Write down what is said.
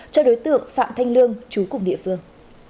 cho đối tượng phạm thanh lương chú cùng địa phương